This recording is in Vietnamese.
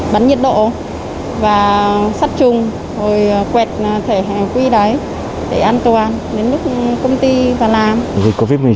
bắn nhiệt độ và sắt chung rồi quẹt thể hệ quy đáy để an toàn đến lúc công ty vào làm